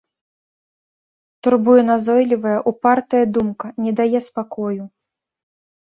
Турбуе назойлівая, упартая думка, не дае спакою.